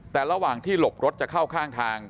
แต่ระหว่างที่หลบรถจะเข้าข้างทาง